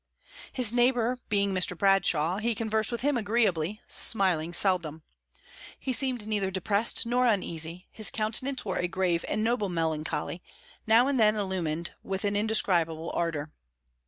His neighbour being Mr. Bradshaw, he conversed with him agreeably, smiling seldom. He seemed neither depressed nor uneasy; his countenance wore a grave and noble melancholy, now and then illumined with an indescribable ardour.